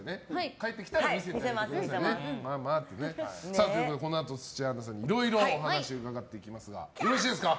帰ってきたら見せてください。ということで、このあと土屋アンナさんにいろいろお話伺っていきますがよろしいですか？